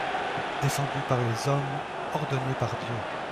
Défendu par les hommes, ordonné par Dieu.